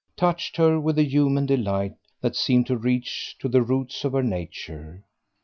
touched her with a human delight that seemed to reach to the roots of her nature.